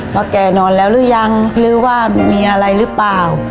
ว่าแกนอนแล้วหรือยังหรือว่ามีอะไรหรือเปล่า